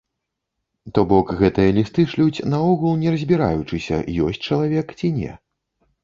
То бок гэтыя лісты шлюць наогул не разбіраючыся, ёсць чалавек ці не.